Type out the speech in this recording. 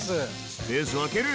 スペースを空ける！